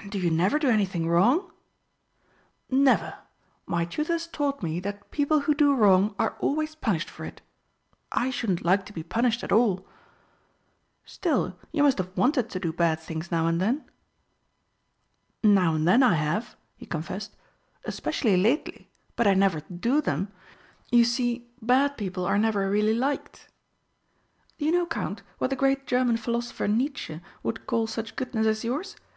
"And do you never do anything wrong?" "Never. My tutors taught me that people who do wrong are always punished for it. I shouldn't like to be punished at all." "Still, you must have wanted to do bad things now and then." "Now and then I have," he confessed. "Especially lately. But I never do them. You see, bad people are never really liked." "Do you know, Count, what the great German philosopher Nietzsche would call such goodness as yours?